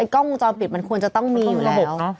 ต้องจอมปิดมันควรจะต้องมีอยู่แล้ว